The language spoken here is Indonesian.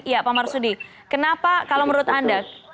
iya pak ammar sudi kenapa kalau menurut anda